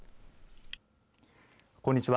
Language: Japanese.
こんにちは。